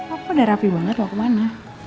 apa udah rapi banget mau ke mana